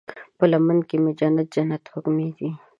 په لمن کې مې جنت، جنت وږمې وی